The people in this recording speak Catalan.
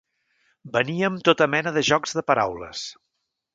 Veníem tota mena de jocs de paraules.